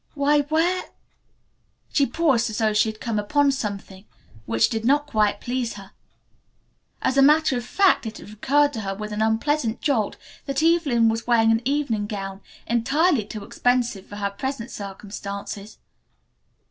"Why, where " She paused as though she had come upon something which did not quite please her. As a matter of fact it had recurred to her with an unpleasant jolt that Evelyn was wearing an evening gown entirely too expensive for her present circumstances.